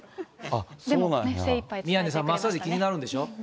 宮根さん、マッサージ気になるんでしょ。